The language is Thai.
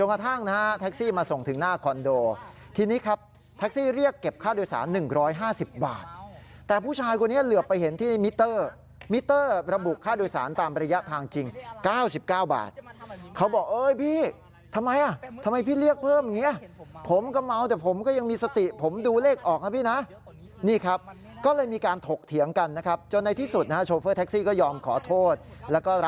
พอท่างนะแท็กซี่มาส่งถึงหน้าคอนโดทีนี้ครับแท็กซี่เรียกเก็บค่าโดยสาร๑๕๐บาทแต่ผู้ชายคนนี้เหลือไปเห็นที่มิเตอร์มิเตอร์ระบุค่าโดยสารตามระยะทางจริง๙๙บาทเขาบอกเอ้ยพี่ทำไมอ่ะทำไมพี่เรียกเพิ่มอย่างเงี้ยผมก็เมาแต่ผมก็ยังมีสติผมดูเลขออกนะพี่นะนี่ครับก็เลยมีการถกเถียงกันนะครั